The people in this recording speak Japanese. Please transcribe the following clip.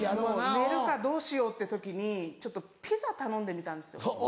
寝るかどうしようって時にちょっとピザ頼んでみたんですよ。